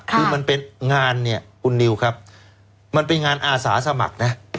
คือมันเป็นงานเนี่ยคุณนิวครับมันเป็นงานอาสาสมัครนะ